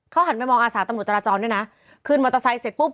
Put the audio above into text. เขาหันไปมองอาสาตำรวจจราจรด้วยนะขึ้นมอเตอร์ไซค์เสร็จปุ๊บ